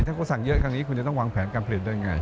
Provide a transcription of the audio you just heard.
ถ้าเขาสั่งเยอะกันคุณจะต้องวางแผนการผลิตได้อย่างไร